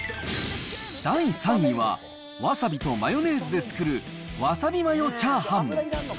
第３位は、わさびとマヨネーズで作るわさびマヨチャーハン。